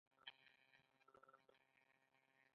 د دايکندي خلک نه یواځې دا چې معدني دي، بلکې ثروتمنده هم دي.